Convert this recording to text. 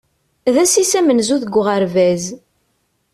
D ass-is amenzu deg uɣerbaz.